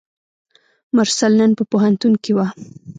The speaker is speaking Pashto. مرسل نن په پوهنتون کې وه.